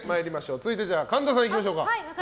続いて、神田さんいきましょうか。